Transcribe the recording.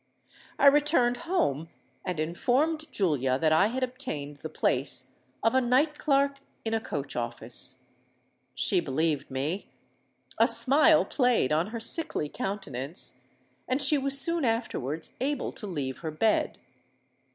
I returned home; and informed Julia that I had obtained the place of a night clerk in a coach office. She believed me: a smile played on her sickly countenance;—and she was soon afterwards able to leave her bed.